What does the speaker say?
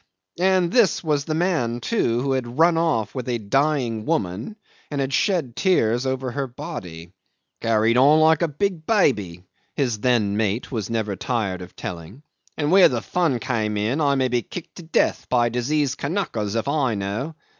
And this was the man, too, who had run off with a dying woman, and had shed tears over her body. "Carried on like a big baby," his then mate was never tired of telling, "and where the fun came in may I be kicked to death by diseased Kanakas if I know.